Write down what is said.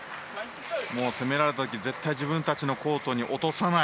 攻められた時絶対自分たちのコートに落とさない。